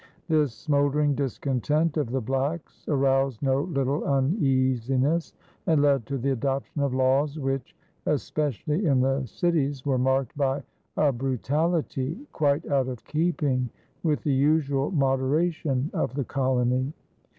This smoldering discontent of the blacks aroused no little uneasiness and led to the adoption of laws which, especially in the cities, were marked by a brutality quite out of keeping with the usual moderation of the colony.